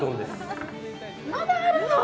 まだあるの？